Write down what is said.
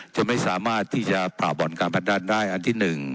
จะไม่สามารถที่จะผ่าบ่อนการพนันได้อันที่๑